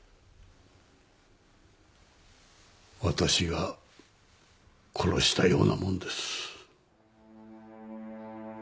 私が殺したようなもんです。